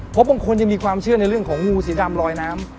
เพราะบางคนยังมีความเชื่อในเรื่องของงูสีดำลอยน้ำ